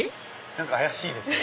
何か怪しいですね。